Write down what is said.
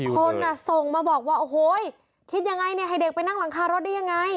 คนส่งมาบอกว่าโอ้โหคิดยังไงเนี่ยให้เด็กไปนั่งหลังคารถได้ยังไง